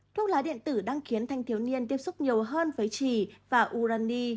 thuốc lá điện tử đang khiến thanh thiếu niên tiếp xúc nhiều hơn với trì và urani